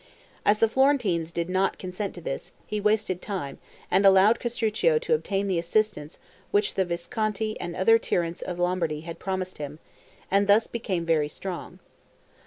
As the Florentines did not consent to this, he wasted time, and allowed Castruccio to obtain the assistance which the Visconti and other tyrants of Lombardy had promised him, and thus become very strong.